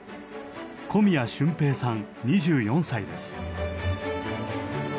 小宮春平さん２４歳です。